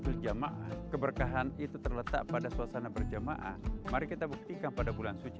berjamaah keberkahan itu terletak pada suasana berjamaah mari kita buktikan pada bulan suci